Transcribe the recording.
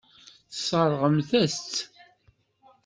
Tesseṛɣemt-as-tt.